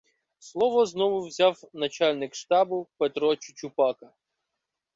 Слово знову взяв начальник штабу Петро Чучупака.